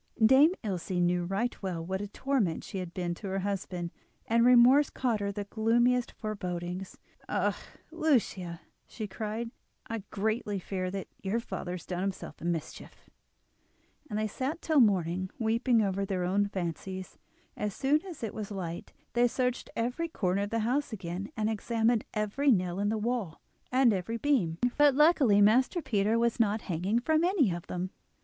Dame Ilse knew right well what a torment she had been to her husband, and remorse caused her the gloomiest forebodings. "Ah! Lucia," she cried, "I greatly fear that your father has done himself a mischief." And they sat till morning weeping over their own fancies. As soon as it was light they searched every corner of the house again, and examined every nail in the wall and every beam; but, luckily, Master Peter was not hanging from any of them.